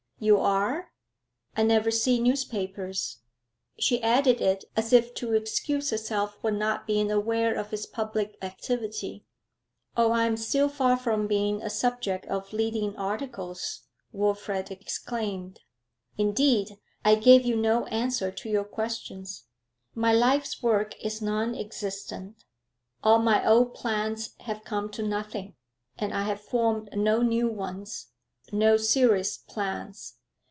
'You are? I never see newspapers.' She added it as if to excuse herself for not being aware of his public activity. 'Oh, I am still far from being a subject of leading articles,' Wilfrid exclaimed. 'Indeed, I gave you no answer to your question. My life's work is non existent. All my old plans have come to nothing, and I have formed no new ones, no serious plans.